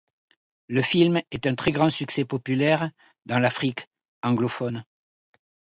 Le film est un très grand succès populaire dans l'Afrique anglophone.